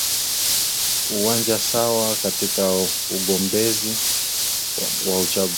uwanja sawa katika ugombezi huo wa uchaguzi